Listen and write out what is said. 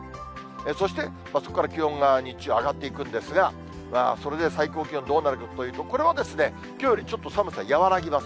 そして、そこから気温が日中上がっていくんですが、それで最高気温どうなるかというと、これは、きょうよりちょっと寒さ和らぎます。